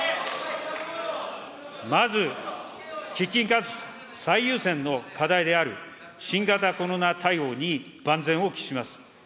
まず喫緊かつ最優先の課題である新型コロナ対応に万全を期します。